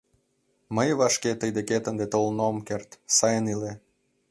Мый вашке тый декет ынде толын ом керт, сайын иле.